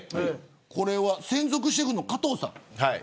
これは専属シェフの加藤さん。